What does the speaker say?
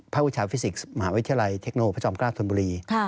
วิชาฟิสิกส์มหาวิทยาลัยเทคโนพระจอมเกล้าธนบุรี